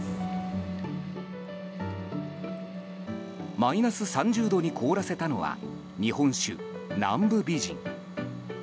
マイナス３０度に凍らせたのは日本酒・南部美人。